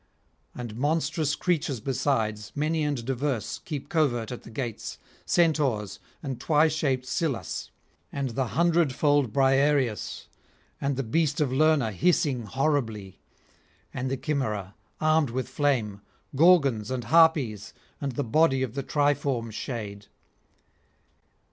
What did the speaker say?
And monstrous creatures besides, many and diverse, keep covert at the gates, Centaurs and twy shaped Scyllas, and the hundredfold Briareus, and the beast of Lerna hissing horribly, and the Chimaera armed with flame, Gorgons and Harpies, and the body of the triform shade.